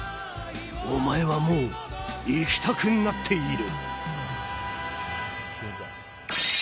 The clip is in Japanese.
お前はもう行きたくなっている！